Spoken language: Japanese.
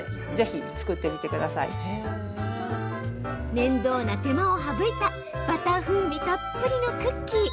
面倒な手間を省いたバター風味たっぷりのクッキー。